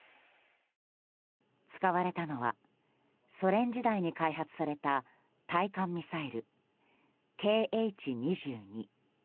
使われたのはソ連時代に開発された対艦ミサイルＫｈ２２。